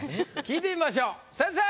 聞いてみましょう先生！